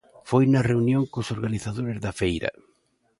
Foi na reunión cos organizadores da feira.